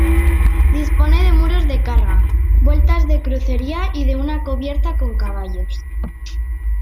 Dispone de muros de carga, vueltas de crucería y de una cubierta con caballos.